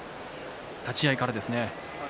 立ち合いからですね。